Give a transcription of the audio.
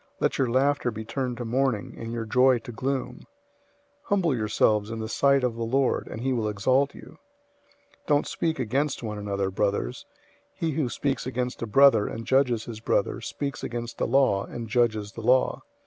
Let your laughter be turned to mourning, and your joy to gloom. 004:010 Humble yourselves in the sight of the Lord, and he will exalt you. 004:011 Don't speak against one another, brothers. He who speaks against a brother and judges his brother, speaks against the law and judges the law.